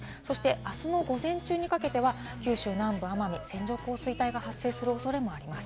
あすの午前中にかけては九州南部、奄美は線状降水帯が発生する恐れもあります。